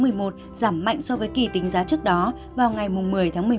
giảm mạnh so với kỳ tính giá trước đó vào ngày một mươi tháng một mươi một